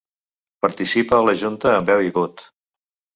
Participa a la junta amb veu i vot.